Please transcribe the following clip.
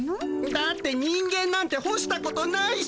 だって人間なんて干したことないし。